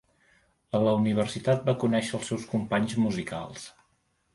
A la universitat va conèixer els seus companys musicals.